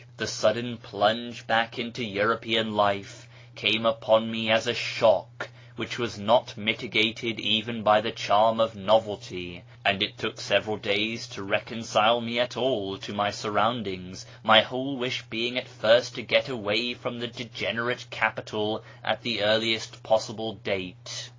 The sudden ])hin, ue back into European life came upon me as a shock Nvhich was not miti gated even by the charm of novelty, and it took several days to reconcile me at all to my surroundings, my whole wish being at lirst to get away from the degenerate capital at the earliest possible date.